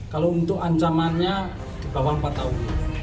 tiga lima belas kalau untuk ancamannya di bawah empat tahun